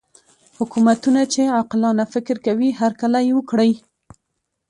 حکومتونه چې عاقلانه فکر کوي هرکلی وکړي.